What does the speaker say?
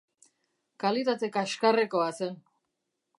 Kalitate kaxkarrekoa zen.